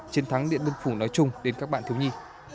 chiến thắng điện biên phủ nói chung đến các bạn thiếu nhi